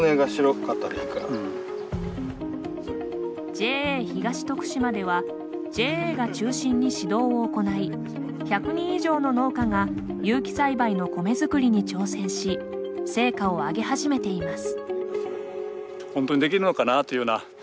ＪＡ東とくしまではＪＡが中心に指導を行い１００人以上の農家が有機栽培の米作りに挑戦し成果を上げ始めています。